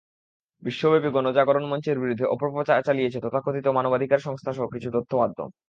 বিশ্বব্যাপী গণজাগরণ মঞ্চের বিরুদ্ধে অপপ্রচার চালিয়েছে তথাকথিত মানবাধিকার সংস্থাসহ কিছু তথ্যমাধ্যম।